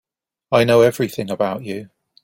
I know everything about you.